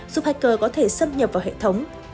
giúp hacker có thể xâm nhập vào hệ thống